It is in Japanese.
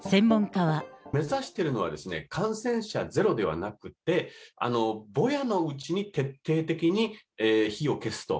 目指してるのはですね、感染者ゼロではなくて、ぼやのうちに徹底的に火を消すと。